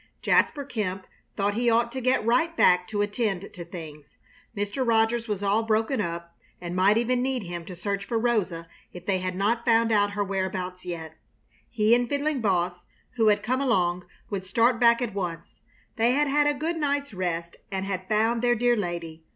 Jasper Kemp thought he ought to get right back to attend to things. Mr. Rogers was all broken up, and might even need him to search for Rosa if they had not found out her whereabouts yet. He and Fiddling Boss, who had come along, would start back at once. They had had a good night's rest and had found their dear lady.